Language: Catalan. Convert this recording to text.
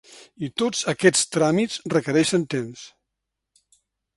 I tots aquests tràmits requereixen temps.